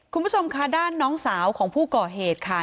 คุณผู้ชมค่ะด้านน้องสาวของผู้ก่อเหตุค่ะ